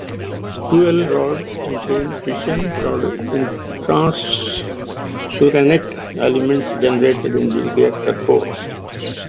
Fuel rods contain fission products and transuranic elements generated in the reactor core.